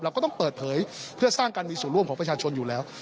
ก็ต้องเปิดเผยเพื่อสร้างการมีส่วนร่วมของประชาชนอยู่แล้ว